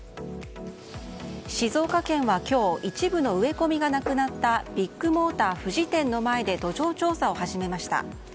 静岡県は今日一部の植え込みがなくなったビッグモーター富士店の前で土壌調査を始めました。